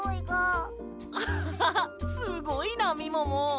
アッハハすごいなみもも。